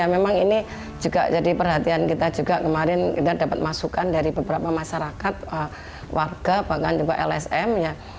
memang ini juga jadi perhatian kita juga kemarin kita dapat masukan dari beberapa masyarakat warga bahkan juga lsm